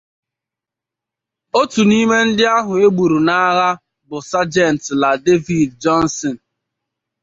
Otu n’ịme ndị ahụ e gburu n’agha bụ Sagent La David Johnson